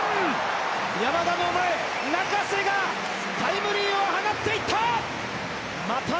山田の前、中瀬がタイムリーを放っていった！